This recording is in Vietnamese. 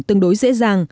tương đối dễ dàng